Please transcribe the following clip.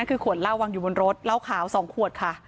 นั่นคือขวดล่าววางอยู่บนรถล่าวขาว๒ขวดค่ะ